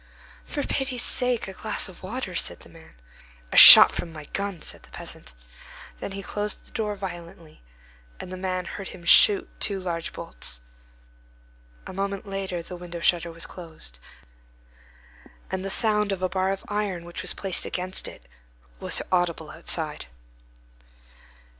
"For pity's sake, a glass of water," said the man. "A shot from my gun!" said the peasant. Then he closed the door violently, and the man heard him shoot two large bolts. A moment later, the window shutter was closed, and the sound of a bar of iron which was placed against it was audible outside.